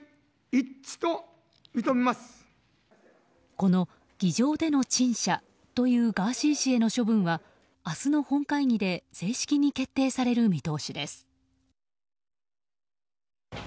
この議場での陳謝というガーシー氏への処分は明日の本会議で正式に決定される見通しです。